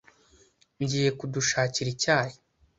Ngiye kudushakira icyayi.